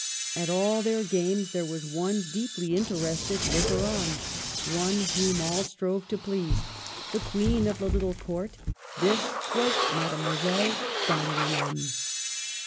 At all their games there was one deeply interested looker on, one whom all strove to please,' — the Queen of the little court; this was Mademoiselle d'Angouleme.